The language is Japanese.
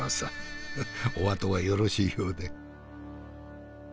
お後がよろしいようで。